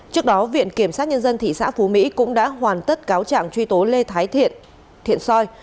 trước đó viện kiểm sát nhân dân thị xã phú mỹ cũng đã hoàn tất cáo trạng truy tố lê thái thiện thiện soi